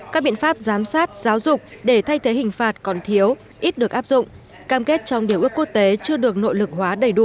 các biện pháp giám sát giáo dục để thay thế hình phạt còn thiếu ít được áp dụng cam kết trong điều ước quốc tế chưa được nội lực hóa đầy đủ